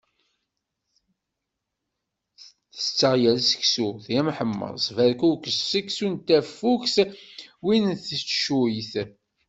Tetteɣ yal seksu: timḥemmeṣt, berkukes, seksu n tafukt, win n teccuyt...